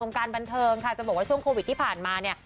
การบันเทิงค่ะจะบอกว่าช่วงโควิดที่ผ่านมาเนี่ย